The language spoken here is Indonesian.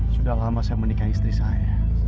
sudah lama saya menikah istri saya